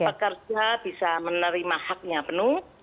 pekerja bisa menerima haknya penuh